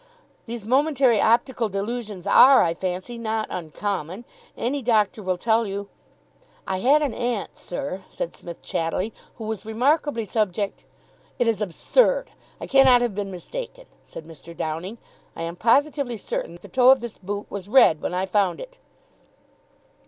These momentary optical delusions are, I fancy, not uncommon. Any doctor will tell you " "I had an aunt, sir," said Psmith chattily, "who was remarkably subject " "It is absurd. I cannot have been mistaken," said Mr. Downing. "I am positively certain the toe of this boot was red when I found it."